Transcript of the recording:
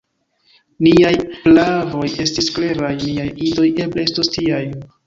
Niaj praavoj estis kleraj; niaj idoj eble estos tiaj.